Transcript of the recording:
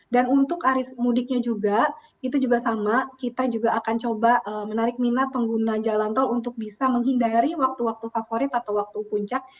dan untuk aris mudiknya juga itu juga sama kita juga akan coba menarik minat pengguna jalan tol untuk bisa menghindari waktu waktu favorit atau waktu puncak